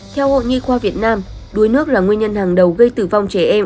theo hội nhi khoa việt nam đuối nước là nguyên nhân hàng đầu gây tử vong trẻ em